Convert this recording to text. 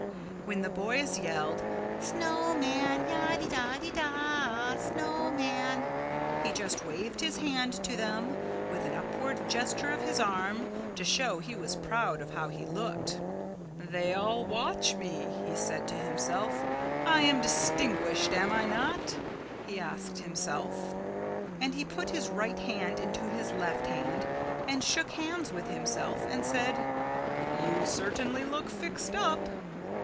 When the boys yelled, "Snow man! yah de dah de dah, Snow man!" he just waved his hand to them with an upward gesture of his arm to show he was proud of how he looked. "They all watch for me," he said to himself, "I am distinquished am I not?" he asked himself. And he put his right hand into his left hand and shook hands with himself and said, "You certainly look fixed up."